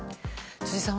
辻さん